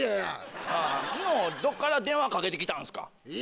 昨日どっから電話かけて来たんすか？